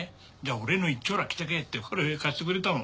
俺の一張羅着てけってこれ貸してくれたの。